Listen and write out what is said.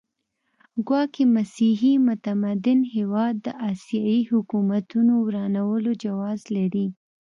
ګواکې مسیحي متمدن هېواد د اسیایي حکومتونو ورانولو جواز لري.